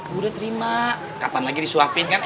bu udah terima kapan lagi disuapin kan